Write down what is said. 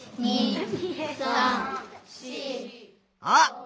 あ！